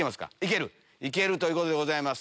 行けるということでございます。